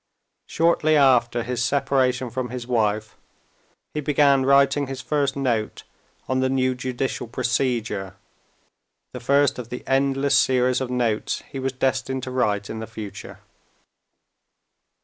Shortly after his separation from his wife, he began writing his first note on the new judicial procedure, the first of the endless series of notes he was destined to write in the future.